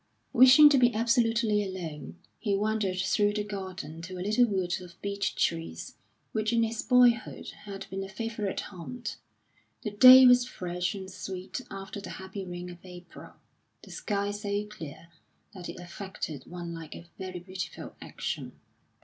Wishing to be absolutely alone, he wandered through the garden to a little wood of beech trees, which in his boyhood had been a favourite haunt. The day was fresh and sweet after the happy rain of April, the sky so clear that it affected one like a very beautiful action.